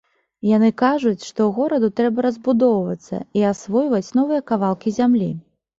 Яны кажуць, што гораду трэба разбудоўвацца і асвойваць новыя кавалкі зямлі.